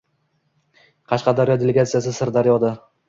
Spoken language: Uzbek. Qashqadaryo delagatsiyasi Sirdaryoda